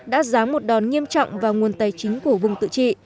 đã ráng một đòn nghiêm trọng vào nguồn tài chính của vùng tự trị